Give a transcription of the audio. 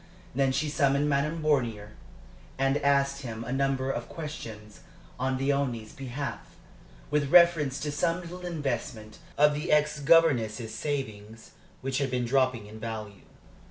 Then she summoned Madame Bornier, and asked him a number of questions on Léonie's behalf, with reference to some little investment of the ex governess's savings, which had been dropping in value.